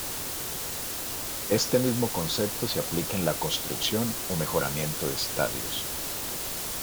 Este mismo concepto se aplica en la construcción o mejoramiento de estadios.